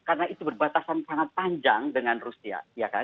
karena itu berbatasan sangat panjang dengan rusia